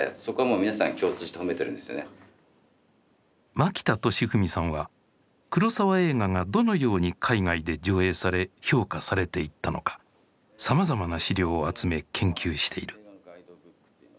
槙田寿文さんは黒澤映画がどのように海外で上映され評価されていったのかさまざまな資料を集め研究している。